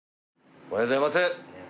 おはようございます